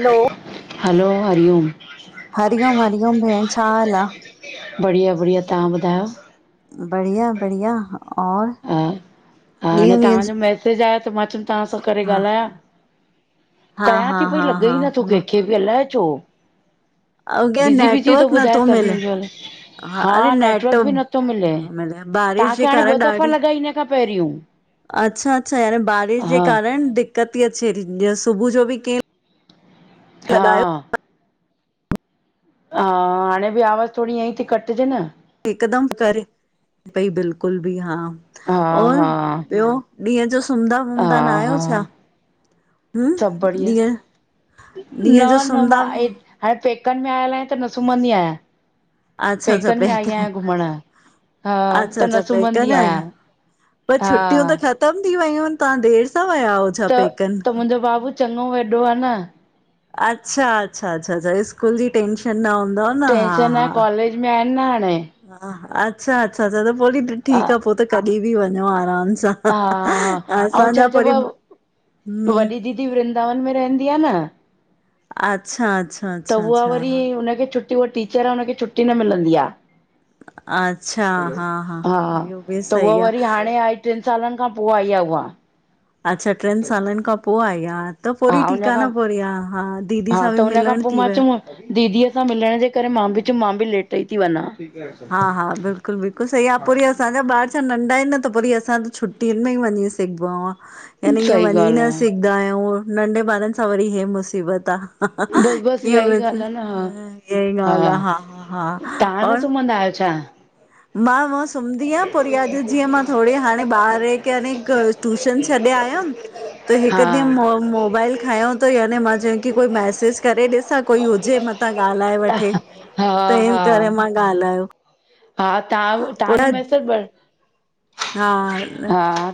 हलो hello, हरीओम हरिओम हरिओम भेण छा हाल आ? बढ़िया बढ़िया तव्हां ॿुधायो? बढ़िया बढ़िया और हा हा हाणे ॾींहं वींहं जी तव्हांजो मैसेज आयो त मां चयूम तव्हां सां करे हा ॻाल्हायां, हा कया हा थी पई हा लॻे हा ई नथो मां कंहिंखे बि अलाए छो अॻे बिज़ी बिज़ी थो नेटवर्क ॿुधाए नथो मिले। सभिनीनि जो हा अरे नेट नेटवर्क बि नथो मिले बारिश जे तव्हांखे हाणे ॿ कारण दफ़ा ॾाढी लॻा हिन खां पहिरियों अच्छा अच्छा याने बारिश जे हा कारण दिक्कत थी अचे सुबह जो बि कहि हा हा हाणे बि आवाज़ थोरी ईअं ई थी कटिजे न हिकदम करे पई बिल्कुल बि हा हा और हा ॿियो ॾींहं जो सुमंदा हा वुमदा न हा आहियो छा? हम, सभु बढ़िया ॾींहं न ॾींहं जो न मां सुम्दा ए- हाणे पेकनि में आयल आहिया त न सुम्हंदी आहियां। अच्छा अच्छा पैकनि में आई पेकन आहियां घुमण हा अच्छा त अच्छा न पेकन सुम्हंदी आहियो आहियां। पर हा छुटियूं त ख़तम थी वयूं आहिनि तव्हां देरि सां विया हुयव? त त मुंहिंजो बाबू चङो वॾो आहे न अच्छा अचछा अ स्कूल जी टेंशन न हूंदव न हा टेंशन आहे हा कॉलेज में आहिनि न हाणे हा अच्छा अच्छा अचछा त पोइ हा ठीकु आहे पोइ त कॾहिं बि वञो आराम सां हा हा ऐं असांजा छा चइबो वरी आहे हम्म वॾी दीदी वृंदावन में रहंदी आहे न अच्छा अच्छा त अच्छा उहा अच्छा वरी हा हुनखे छुटी उहा टीचर आहे हुनखे छुटी न मिलंदी आहे अच्छा हा हा इहो बि त उह सही आ वरी हाणे आई टिनि सालनि खां पोइ आई आहे उहा अच्छा टिनि सालनि खां पोइ आईआ। त पोइ हा वरी हुन ठीकु आहे खां न पोइ वरी हा दीदी हा सां त बि हुन खां मिलण पोइ थी मां वियो चयमि दीदीअ सां मिलण जे करे मां बि चयो मां बि लेट ई थी वञा। हा सही हा बिल्कुलु बिल्कुलु सही आहे पूरी असांजा ॿार छा नंढा आहिनि न त वरी असां त छुटियुनि में ई वञी सघिबो आ। यानी ईअं ॻाल्हि वञी न आहे सघंदा आहियूं नंढे ॿारनि सां वरी हे मुसीबत आ। बस बस कीअं इहा व ई इ ॻाल्हि आहे न हा ई ॻाल्हि आहे हा हा तव्हां हा न और सुम्हंदा आहियो छा? मां वअ सुमंदी आहियां पो वरी अॼु जीअं मां थोरी हाणे ॿार खे हने हिकु टूशन छॾे आयमि त हिकु ॾींहुं हा मो मोबाइल खयों त यानी मां चयो की कोई मैसेज करे ॾिसां कोई हुजे म तां ॻाल्हाए वठे। त हा- इन हा। करे मां ॻाल्हायो। हा, तव्हां तव्हांजो पोइ मैसेज भर हा,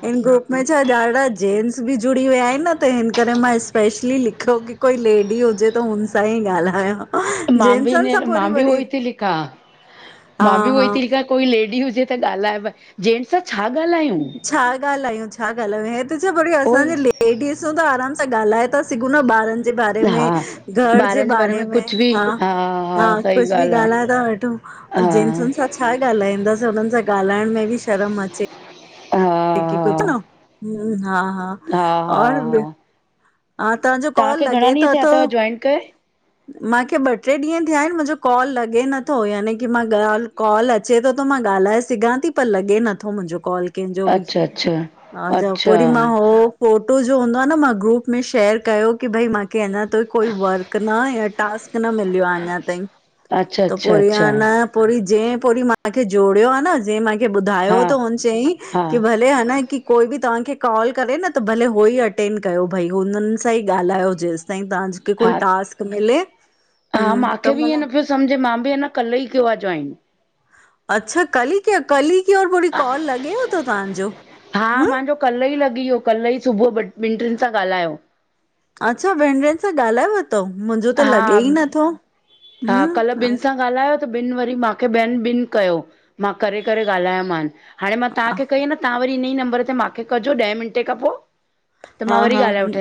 हिन ग्रुप मुं छा ॾाढा जेनट्स बि जुड़ी विया आहिनि न त हिन करेे मां स्पेशली लिखियो कि कोई लेडी हुजे त हुन सां ई ॻाल्हायां। मां बि जेंट्सनि सां न पोइ वरी मां बि वरी उहोई ती लिखां हा मां बि हा उहोई ती लिखां कोई लेडी हुजे त ॻाल्हाइव, जेंट्स सां छा ॻाल्हायूं? छा ॻाल्हायूं, छा ॻाल्हायूं, हे त छा वरी असांजे उहोई लेडिसूं त आराम सां ॻाल्हाए ता सघूं न ॿारनि जे बारे में हा घर जे ॿारनि बारे में कुझु बि हा- हा सही कुछ बि ॻाल्हि आहे ॻाल्हाए ता वठूं। हा जेन्ट्सनि सां छा ॻाल्हाईंदासीं हुननि सां ॻाल्हाइण में बि शर्म अचे। हा हा न हा हा और [inaudible] हा तांजो कॉल लॻे त थो। वणकर [inaudible] मांखे ॿ ट्रे ॾींहं थिया आहिनि मुंजो कॉल लॻे नथो यानी की मां ॻाल्हि कॉल अच अचे तो त मां ॻाल्हाए सघां ती पर लॻे नथो मुंहिंजो कॉल। कंहिंजो बि अच्छा अच्छा हा जा पो वरी मां अच्छा हो फोटो जो हूंदो आ न मां ग्रूप में शेयर कयो की भई मांखे अञा ताईं कोई वर्क त मां या टास्क न मिलयो आ अञा ताईं अच्छा त पो अच्छा इयं आ अच्छा न पोड़ी जें पोड़ी मांखे जोड़ियो आ न जें मांखे ॿुधायो हा त हुन चयई हा की भल भले हा न की कोई बि तव्हांखे कॉल करे न त भले हो ई अटेंड कयो भई हुननि सां ई ॻाल्हायो जेसि ताई तव्हांखे कोई हा टास्क मिले हम्म- त माना सम्झ मां बि आ न कल्ह ई कयो आ जॉइन। अच्छा कल्ह ही कय कल ही कय और वरी कॉल लॻेव तो तव्हांजो? हा हम्म मुंहिंजो कल्ह ई लॻी वियो कल्ह ई सुबुह ॿिनि टिनि सां ॻाल्हायो। अच्छा ॿिन ट्रिन सां ॻाल्हाय वतव, मुंहिंजो त हा लॻे ई नथो। हा, कल्ह ॿिनि हम्म सां ॻाल्हायो त ॿिन वरी मांखे ॿियनि ॿिन कयो मां करे -करे ॻालायो मानि। हाणे मां तव्हांखे कई आ न तव्हां वरी इन ई नंबर ते मांखे कजो ॾहें मिंटे खां पो। हा- हा-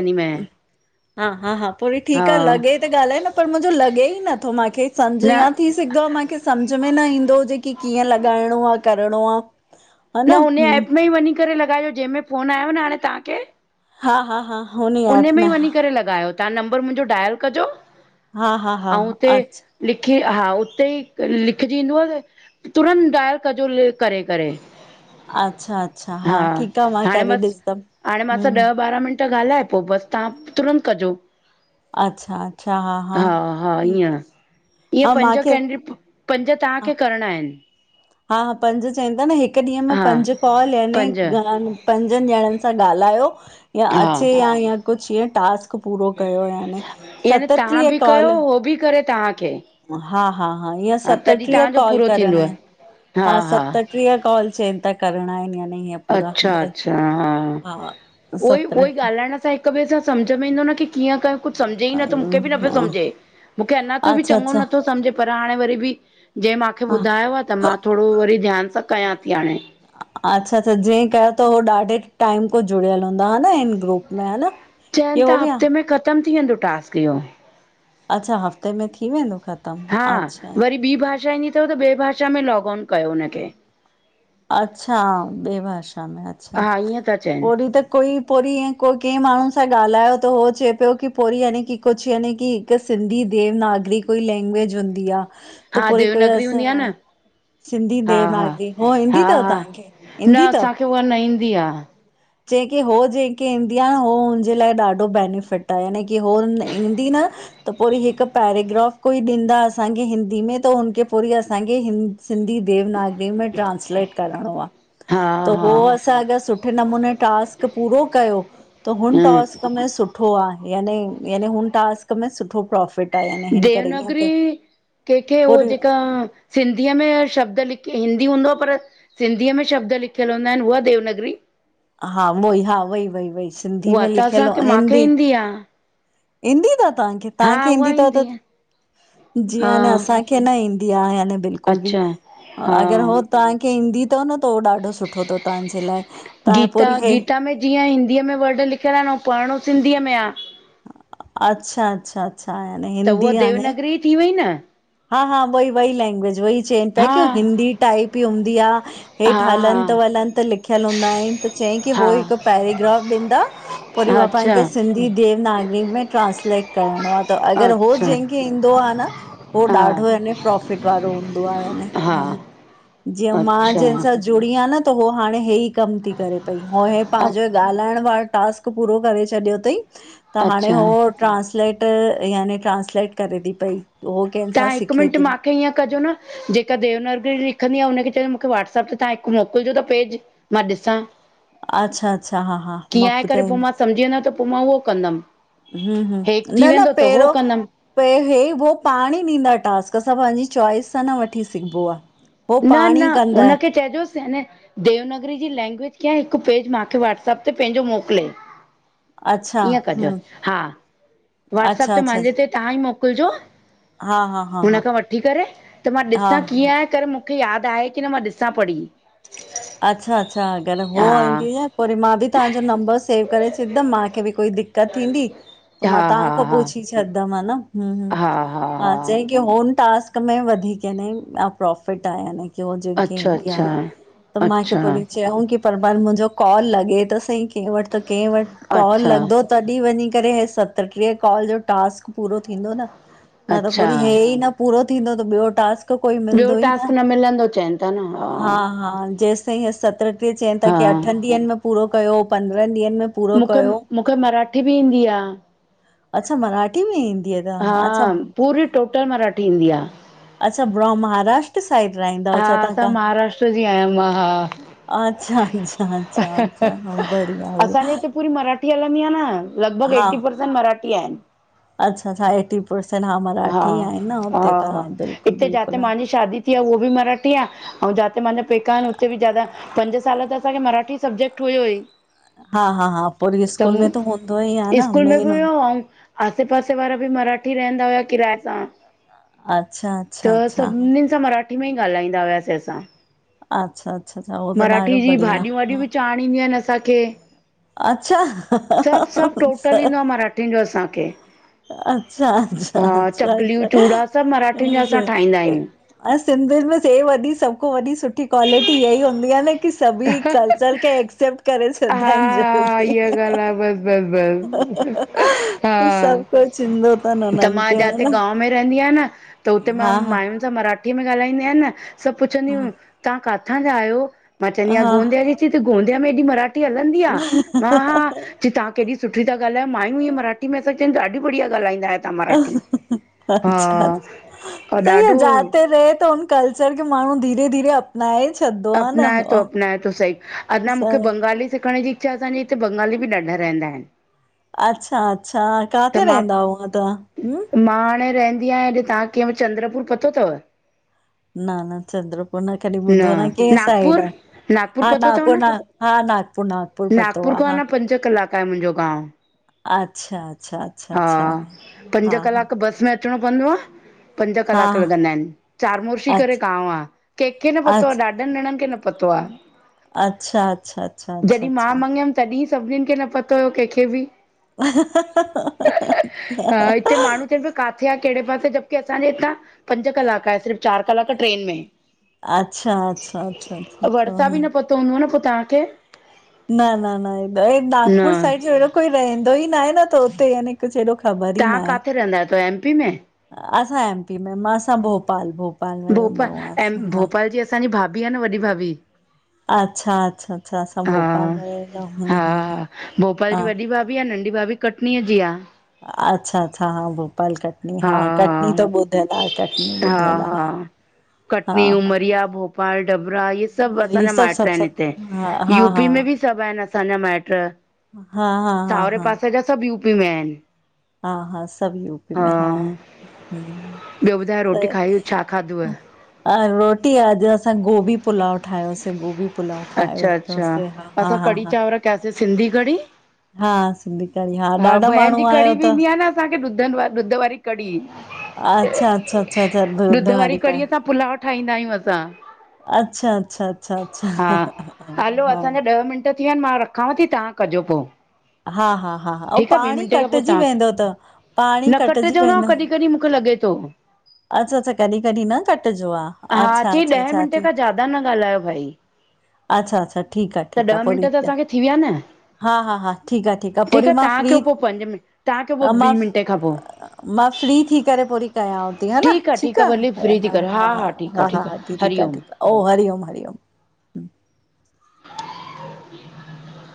हा -हा- हा, पो वरी हा ठीकु आ लॻे त ॻाल्हाए न पर मुंहिंजो लॻे ई नथो मांखे समझ न यां थी सघदो आ मांखे सम्झ में न ईंदो हुजे की कीअं लॻाइणो आ, करिणो आ? हा न हुन हम्म एप में ई वञी करे लॻाइजो, जंहिंमें फोन आयो न हाणे तांखे। हा- हा- हा। हुन उन एप में ई वञी करे लॻायो तां नंबर मुंजो डायल कजो। हा- हा -हा, ऐं उते अच्छा। लिखी हा उते ई लिखजी ईंदोव न। तुरंत डॉयल कजो ल करे -करे। अच्छा अच्छा हा ठीकु आ मां हाणे करे मांस हाणे ॾिसंदमि मांसां हम्म ॾह बारां मिंट ट ॻाल्हाए पो बसि तां तुरंत कजो। अच्छा। हा -हा, ईअं ठीकु इअ हा पंज मांखे कैंजी पंज हा तव्हांखे करिणा आहिनि। हा पंज चवन था न हिक ॾींहं में हा पंज कॉल याने पंज पंजन ॼणन सां ॻालायो या हा अचे या या कुछ ईअं टास्क पूरो कयो याने सतटीह काल हो भी करे तां खे हा हा हा इहा सतटीह कॉल पूरो करणा थींदव आहिन हा सतटीह कॉल चइन था करणा आहिन यानि इहें अच्छा अच्छा हा उहोई उहोई सतटीह ॻालाइण सां हिक ॿिए सां समझ में ईंदो न की कीअं कयो कुछ समझे ई न त मुंखे बि न पियो समझे मुंखे अञा ताईं बि अच्छा चङो अच्छा नथो समझे पर हाणे वरी बि जहिं मांखे हा ॿुधायो आ त मां थोरो वरी ध्यान सां कयां थी हाणे अच्छा अच्छा जीअं कयो थव हो ॾाडे टाइम को जुड़ियल हूंदा हा न हिन ग्रुप में हा न, इहो व चम थी वेंदो टास्क इहो अच्छा हफ़्ते में थी वेंदो ख़त हा वरी ॿी भाषा ईंदी थव त ॿिए भाषा में लॉग ऑन कयो हुनखे अच्छा ॿिए भाषा में अच्छा हा ईअं था चवनि पोरी त कोई पोइरी ईअं को कंहिं माण्हू सां ॻाल्हायो त हो चए पियो की पोइरी यानी की कुछ यानी की त सिंधी देवनागरी कोई लैंग्वेज हूंदी आ त हा पोरी कोई देवनागरी असां हूंदी आहे हाने न सिंधी हा हा देवनागरी हो ईंदी हा थव हा तां खे न ईंदी थव असांखे उहा न ईंदी आहे जें खे हो जंहिंखे ईंदी आ न उहो हुनजे लाए ॾाडो बैनिफिट आहे। जंहिंखे हो ईंदी न त पोइरी हिक पैराग्राफ कोई ॾींदा असांखे हिंदी में त हुनखे पोइरी असांखे हि सिंधी देवनागरी में ट्रांसलेट करणो आ हा त हा हो असांखे सु सुठे नमूने टास्क पूरो कयो त हुन हम्म टास्क में सुठो आ यानी हुन टास्क में सुठो प्रोफिट आ याने हिन करे ईअं क देवनागरी कंहिंखे हो पूरी जेका सिंधीअ में शब्द लिखी हिंदी हूंदो पर सिंधीअ में शब्द लिखियल हूंदा आहिन उहा देवनगरी हा उहई हा वई वई वई सिंधी में लिखियल आ हिंदी इंदी आ ईंदी थ व तां खे? तां खे उहा ईंदी थव त आहे जीअं हा आ न असां न ईंदी आह बिल्कुल भी अच्छा हा अगर हो तां खे ईंदी थव न त उहो ॾाडो सुठो थव तांजे लाए तां पोइरी गीता इ गीता में जीअं हिंदीअ में वर्ड लिखियल आहिन ऐं पढ़णो सिंधीअ में आ अच्छा अच्छा अच्छा याने त हिंदी उहा याने देवनगरी थी वई न हा हा उवई वई लैंग्वेज वई चेंइन पि हा की हिंदी टाइप ई हूंदी आ हा हेठि हलंत वलंत लिखियल हूंदा आहिन त चयईं की हू हा हिक पैरेग्राफ ॾींदा वरी हा उहा पाण अच्छा खे सिंधी देवनागरी में ट्रांसलेट करणो आ त अगर हो अच्छा जंहिंखे ईंदो आ न उ हा ॾाढो न प्रोफिट वारो हूंदो आहे हा जीअं मां अच्छा जंहिंस जुड़ी आ न त हो हाणे हे ई कम थी करे पई हो हे पांहिंजन ॻालाइण वारो टास्क पूरो करे छॾियो थई त हाणे हो अच्छा ट्रांसलेट यानी ट्रांसलेट करे थी पई हो तां कंहिंसां हिक सिखे मिंट थी मां इअं कजो न जेका देवनागरी लिखंदी आ हुनखे चइजो मूंखे वाट्सप ते तव्हां हिकु मोकिलजो त पेज मां ॾिसां अच्छा अच्छा हा हा मां कीअं आहे करे पोइ ॿुधाईंदी मां सम्झी वेंदा त पो मां उहो कंदमि। हम हम हेठि थी न न वेंदो त उहो कंदमि पहिरियों हे हो पाण ई ॾींदा टास्क असां पंहिंजी चॉइस सां न वठी सघबो आ। हो न पाण ई न कंदा हुनखे चइजोस याने देवनागरी जी लैंग्वेज कीअं हिकु पेज मूंखे व्हाट्सअप ते पंहिंजो मोकिले अच्छा ईअं कजो हूं हा वॉाट्सप अच्छा ते अच्छा मुंहिंजे ते तव्हां ई मोकिलिजो हा हा हा हुन हा खां वठी करे त मां ॾिसां हा कीअं आहे करे मूंखे यादि आहे की न मां ॾिसां पढ़ी। अच्छा अच्छा अगरि हा होह ईंदी पो वरी मां बि तव्हांजो नंबर सेव करे छॾंदमि मूंखे बि कोई दिक़त थींदी त मां हा हा तव्हां खां हा हा पुछी छॾदमि हन ह हा चई की होन टास्क में वधीक में प्रोफिट आहे की हो जन्हिखे अच्छा ईंदी आ अच्छा त मां परी अच्छा चयऊं कि पर मुंहिंजो कॉल लॻे त सही कंहिं वट त कंहिं वटि कॉल अच्छा लॻंदो तॾहिं वञी करे हे सतटीह कॉल जो टास्क पूरो थींदो न न त पो अच्छा वरी हे ई न पूरो थींदो त ॿियो टास्क कोई ॿियो मिलंदो ई न टास्क मिलंदो चवनि था न हा हा जेसि ताईं हीअ सत्र टीह चवनि था की हा अठ ॾींहंनि में पूरो कयो पंद्रहनि ॾींहंनि में पूरो मूंखे कयो मूंखे मराठी बि ईंदी आ अच्छा मराठी? कॾ में ईंदी आहे [inaudible] हा, पूरी टोटल मराठी ईंदी आ। अच्छा ब्र महाराष्ट्र साइड रहंदा छा तव्हां उथदी आहिया मां हा अचछा अच्छा अच्छा अचछा हा बढ़िया आहे असांजे हिते पूरी मराठी हलंदी आ न लॻभॻि हा एटी परसेंट मराठी आहे। अच्छा अच्छा एटी परसेंट हा मराठी आहे न हुते त हा बिल्कुलु बिल्कुलु हा। अंटी आ उह बि मराठी आ ऐं जाते माजा पैका आहिनि हुते बि ज्यादा पंज साल त असांखे मराठी सब्जेक्ट हुयो ई हा हा हा पो वरी स्कूल में त हूंदो ई आ न मेन पं [inaudible] आसे पासे वारा बि मराठी रहंदा हुया किराए सां अच्छा त अच्छा अच्छा सभिनिनि सां मराठी में ई ॻाल्हाईंदा हुयासीं असां। अच्छा अच्छा अच्छा उहो त मराठी ॾाढो जी बढ़िया भाॼियूं वाॼियूं हा बि चाढ़ण ईंदियूं आहिनि असांखे अच्छा सभु सभु टोटल ईंदो आहे मराठियुनि जो असांखे अच्छा हा अच्छा चकलियूं अच्छा चूड़ा सभु मराठियुनि जा ठाहींदा आहियूं असां सिंधियन में से वॾी सभुको वॾी सुठी क्वालिटी इहा ई हूंदी आ न की सभई कल्चर खे एक्सेप्ट करे हा छंॾदा आहिनि जो हा, इहा ॻाल्हि आहे बस बस बस हा त सभु कुझु ईंदो तनि त उननि मां खे, हा जाते न गांव में रहंदी आहि न त हुते माँ हा हा माययुनि सां मराठी में ॻाल्हाईंदी आहियां न सभु पुछंदीयूं तव्हां काथां जा आहियो? मां चवंदी आहियां हा गोंदिया जी चईती त गोंदिया में हेॾी मराठी हलंदी आ, मां हा की तव्हांकेॾी सुठी था ॻाल्हायो, मायूं इ मराठी में सां अनि ॾाढी बढ़या ॻाल्हंदा आयो। अच्छा, और त हिय ॾाढो जाते रहे त उ कल्चर खे माण्हू धीरे- धीरे नन छ [unintelligible] अपनाए थो, अपनाए थो, सही अंञा मूंखे सही बंगाली सिखण जी छा जे असांजे हिते बंगाली बि ॾाढा रहंदा आहिन। अच्छा- अच्छा! त किथे मां, रहंदा हुआ तव्हां हूं मां हाणे रहंदी आहियां अॼु तव्हां कीअं चंद्रपुर पतो अथव? न न चंद्रपुर, न। कॾि ॿुधो न आए, कैं साइड आ, नागपुर हा पतो अथव नागपुर- न नागपुर, नाग पुरो पतो आ, हा। ऐं मुंजो गांव, अच्छा अच्छा अच्छा हा अच्छा पंज हा हा कलाक बस में अचणो पवंदो आ, पंज हा कलाक लॻंदा आहिन, चार मोरशी करे अच्छा गांव आ। कैंखे न पतो आ, अच ॾाढनि ॼिणनि खे न पतो आ। अच्छा अच्छा अचछा अचछा अछा। मङियमि तॾहिं सभिनीनि खे न पतो हुयो कंहिंखे बि। ह [unintelligible] हा [unintelligible] हा हिते माण्हू चवनि पिया, काथे आ, कहिड़े पासे जबकि असांजे हितां पंज कलाक आहे सिर्फ़। चार कलाक ट्रेन में। अच्छा अच्छा अच्छा अचछा त उनो न प [unintelligible] ता खे न न न, हेॾे न नागपुर साइड जो हेड़ो कोई रहंदो ई न आहे न त हुते यानी हेॾो ख़बर ई न तव्हां आहे। किथे रहंदा आहियो एमपी में असां एम पी मां, असां भोपाल- भोपाल। में रहंदा भोपाल ऐं हुआसीं हा। भोपाल जी असांजी भाभी आ। न वॾी भाभी। अच्छा अचछा हा, हा भोपाल हा जी वॾी भाभी आ, नंढी भाभी कटनीअ जी आ। अच्छा अचछा हा भोपाल कटनी, हा कटनी त ॿुधयल आ, कटनी ॿुधयल आ, हा। कटनी, हा उमरिया, भोपाल, डबरा इहे सभु हा असां इहे न सभु माएट्र आहिन हिते। सभु हा हा हा यूपी में बि सभु आहिन असांजा माइट्र, हा हा हा सावरे हा पासे जा। सभु यूपी में आहिन। हा हा, सभु यूपी में, हा ह ह ॿियो ॿुधायो, रोटी खाई छा खाधो आ? रोटी हा अॼु असां गोभी पुलाव ठायोसीं, गोभी प पुलाव खाए अच्छा वरतो अच्छा सीं। हा हा असां हा कढ़ी हा चांवर सिंधी कढ़ी! हा सिंधी कढ़ी हा ॾाढा भहनि माण्हू जी कढ़ी आहियो बि त ईंदी आ न असांखे ॾुधनि ॾुध वारी क़ढ़ी। अच्छा अच्छा अच्छा अच्छा, दूर कड़ीअ सां पुलाव ठाहींदा आहियूं असां। अच्छा अच्छा अच्छा। हा अच्छा हलो हा असांजा ॾह मिंट थी विया आहिन, मां रखांव थी तहां कजो पो। हा, हा, हा, हा ऐं ठीकु आ ॿी पाणी मिंटे खां पो कटिजी तव्हां, वेंदो त पाणी न कटिजी कटजो न वेंदो कॾहिं कॾहिं मूंखे लॻे थो। त [inaudible] अच्छा -अच्छा, कॾी -कॾी न कटिजो आ हा अच्छा- चई अच्छा ॾह मिंट चाची। खां ज्यादा न ॻाल्हायो भाई अच्छा- अच्छा, ठीकु आ त ठीकु आ ॾह मिंट पोड़ी त ॾिया असांखे थी विया न हा हा हा ठीक आ ठीक आ, पो ठीकु वरी आहे मां तव्हां फ्री कयो पोइ पंज मिंट तव्हां कयो हा पोइ मां ॿीं मिंटे खां पोइ फ मां फ्री थी करे पो वरी री कयांव ती ती ह न ठीकु आहे ठीक ठीकु आ, आहे भली फ्री थी हा करे ठीकु हा आहे हा ठीकु आहे आंटी ठीक आ हरिओम ठीक आ ओ हरिओम- हरिओम। [inaudible]